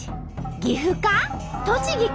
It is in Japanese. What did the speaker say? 岐阜か？